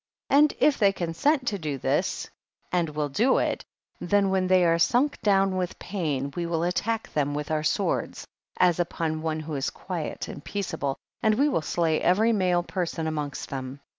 38. And if they consent to do this and will do it, then when they are su7ik down with pain, we will attack them with our swords, as upon one who is quiet and peaceable, and we will slay every male person amongst them.